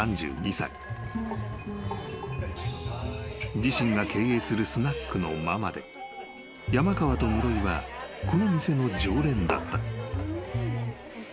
［自身が経営するスナックのママで山川と室井はこの店の常連だった］